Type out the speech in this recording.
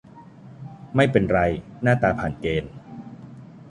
ไม่เป็นไร หน้าตาผ่านเกณฑ์